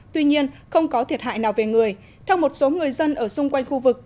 tuy nhiên không có thiệt hại nào về người theo một số người dân ở xung quanh khu vực